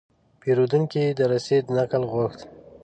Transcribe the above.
پیرودونکی د رسید نقل غوښت.